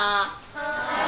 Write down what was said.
はい。